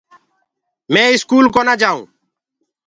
مي اسڪول ڪونآئونٚ جآئونٚ